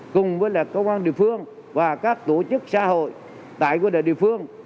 cùng với công an địa phương và các tổ chức xã hội tại địa phương